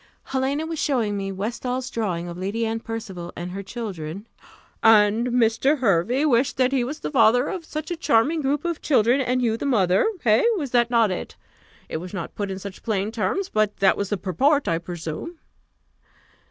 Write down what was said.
"Helena was showing me Westall's drawing of Lady Anne Percival and her children " "And Mr. Hervey wished that he was the father of such a charming group of children, and you the mother hey? was not that it? It was not put in such plain terms, but that was the purport, I presume?"